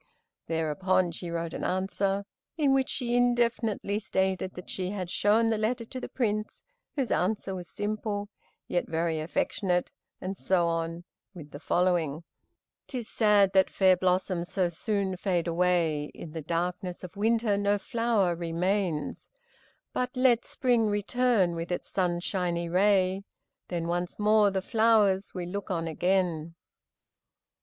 Thereupon she wrote an answer, in which she indefinitely stated that she had shown the letter to the Prince, whose answer was simple, yet very affectionate, and so on, with the following: "'Tis sad that fair blossoms so soon fade away, In the darkness of winter no flower remains, But let spring return with its sunshiny ray, Then once more the flowers we look on again."